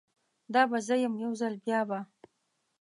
دا به زه یم، یو ځل بیا به